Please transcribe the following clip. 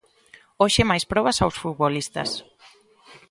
Hoxe máis probas aos futbolistas.